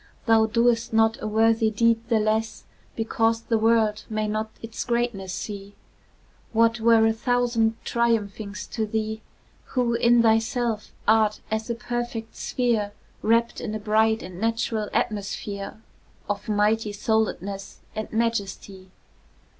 Thou doest not a worthy deed the less Because the world may not its greatness see; What were a thousand triumphings to thee, Who, in thyself, art as a perfect sphere Wrapt in a bright and natural atmosphere Of mighty souledness and majesty?